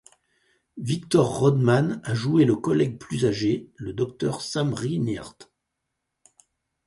Victor Rodman a joué le collègue plus âgé, le Dr Sam Rinehart.